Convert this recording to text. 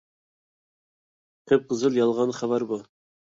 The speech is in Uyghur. قىپقىزىل يالغان خەۋەر بۇ!